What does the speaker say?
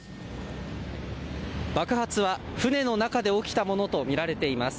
爆発は船の中で起きたものとみられています。